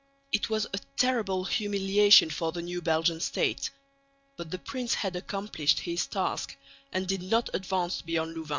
It was a terrible humiliation for the new Belgian state. But the prince had accomplished his task and did not advance beyond Louvain.